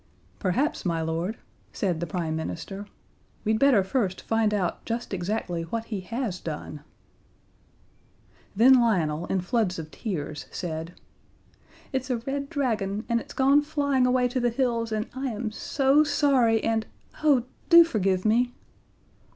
"Perhaps, my Lord," said the Prime Minister, "we'd better first find out just exactly what he has done." Then Lionel, in floods of tears, said: "It's a Red Dragon, and it's gone flying away to the hills, and I am so sorry, and, oh, do forgive me!"